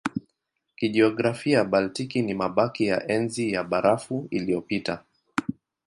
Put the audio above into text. Kijiografia Baltiki ni mabaki ya Enzi ya Barafu iliyopita.